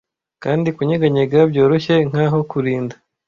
Kandi kunyeganyega byoroshye, nkaho kurinda